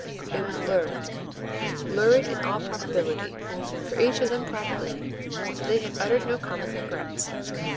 It was lurid lurid, in all probability, for each of them privately that they had uttered no common regrets.